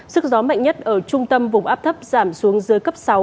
sức gió mạnh nhất ở trung tâm vùng áp thấp giảm xuống dưới cấp sáu